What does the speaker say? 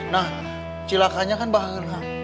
nah cilakannya kan bahkan